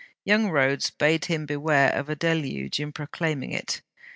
Young Rhodes bade him beware of a deluge in proclaiming it.